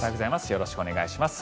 よろしくお願いします。